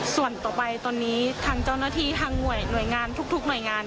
ส่วนต่อไปตอนนี้ทางเจ้าหน้าที่ทางหน่วยงานทุกหน่วยงาน